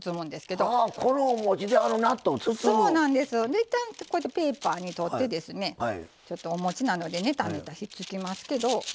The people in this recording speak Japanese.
いったんペーパーにとってですねちょっとおもちなのでネタネタひっつきますけど。